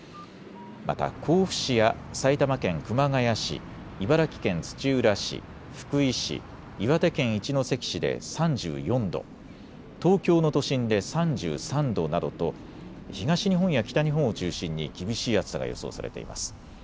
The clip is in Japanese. また甲府市や埼玉県熊谷市、茨城県土浦市、福井市、岩手県一関市で３４度、東京の都心で３３度などと東日本や北日本を中心に厳しい暑さが予想されています。